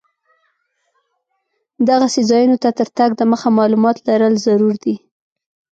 دغسې ځایونو ته تر تګ دمخه معلومات لرل ضرور دي.